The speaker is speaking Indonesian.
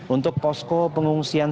untuk posko pengungsian